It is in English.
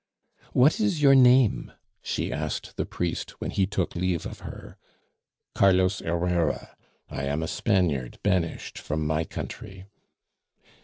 "What is your name?" she asked the priest when he took leave of her. "Carlos Herrera; I am a Spaniard banished from my country."